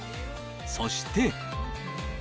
そして。